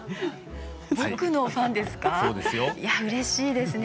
僕のファンですか？